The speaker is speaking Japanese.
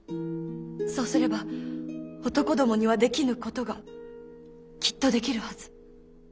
そうすれば男どもにはできぬことがきっとできるはず。